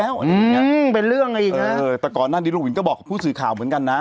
โอเคเป็นเรื่องกันอีกฮะเออเออแต่ก่อนนั้นดิลุงวินก็บอกพูดสื่อข่าวเหมือนกันน่ะ